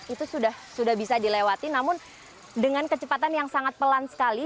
itu sudah bisa dilewati namun dengan kecepatan yang sangat pelan sekali